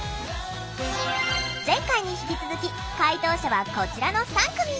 前回に引き続き解答者はこちらの３組。